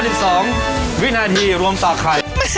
เรียบร้อย๕๒วินาทีรวมต่อใคร